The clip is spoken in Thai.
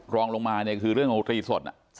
ลองลงมาคือเรื่องโรตีสด